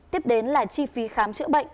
tiếp đến là chi phí khám chữa bệnh